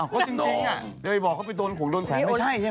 อ๋อก็จริงเลยบอกเขาไปโดนของโดนแขวน